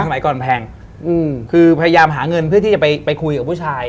สมัยก่อนแพงคือพยายามหาเงินเพื่อที่จะไปคุยกับผู้ชาย